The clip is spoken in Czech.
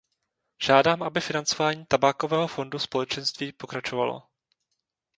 Žádám, aby financování Tabákového fondu Společenství pokračovalo.